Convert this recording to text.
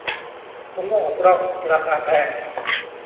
มะม่วงอกร่อง ราคาแพง